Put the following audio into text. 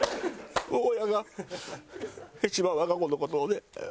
母親が一番我が子の事をね。